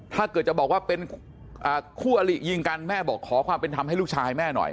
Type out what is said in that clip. ถ้าเกิดจะบอกว่าเป็นคู่อลิยิงกันแม่บอกขอความเป็นธรรมให้ลูกชายแม่หน่อย